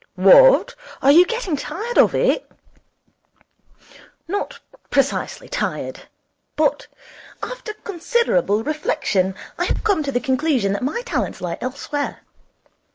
'What? Are you getting tired of it?' 'Not precisely tired. But, after considerable reflection, I have come to the conclusion that my talents lie elsewhere.